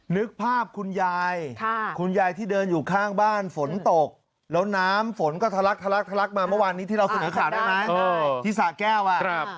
นึกภาพคุณยายคุณยายที่เดินอยู่ข้างบ้านฝนตกแล้วน้ำฝนก็ทะลักทะลักทะลักมาเมื่อวานนี้ที่เราเสนอข่าวได้ไหมที่สะแก้วอ่ะ